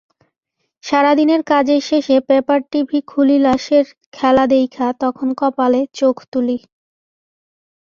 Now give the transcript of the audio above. সারা দিনের কাজের শেষে পেপার-টিভি খুলিলাশের খেলা দেইখা তখন কপালে চোখ তুলি।